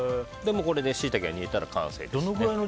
これでシイタケを煮たら完成です。